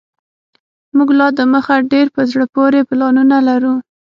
موږ لا دمخه ډیر په زړه پوري پلانونه لرو